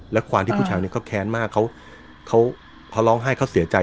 และความที่ผู้ชายเนี่ยเขาแค้นมากเขาพอร้องไห้เขาเสียใจ